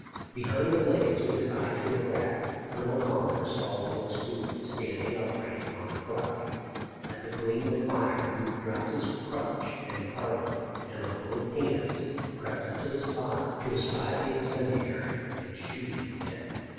Behind the blaze, with his eye to a crack. Colonel Conger saw Wilkes Booth standing upright upon a crutch. At the gleam of fire Booth dropped his crutch and carbine, and on both hands crept up to the spot to espy the incendiary and shoot him dead.